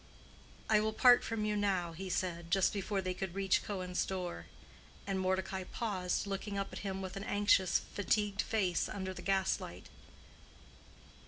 "I will part from you now," he said, just before they could reach Cohen's door; and Mordecai paused, looking up at him with an anxious fatigued face under the gaslight.